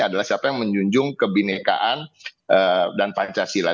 adalah siapa yang menjunjung kebinekaan dan pancasila